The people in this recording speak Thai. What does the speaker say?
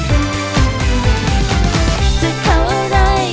ข่าวอะไรก็สุดท้ายได้หมด